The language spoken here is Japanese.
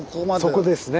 そこですね